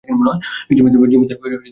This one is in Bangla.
জিম্মিদের নিয়ে যাওয়া হয়েছিল।